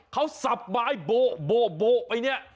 เขาสับไม้โบ๊ะไอ้นี่